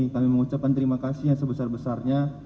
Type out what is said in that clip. kami mengucapkan terima kasih yang sebesar besarnya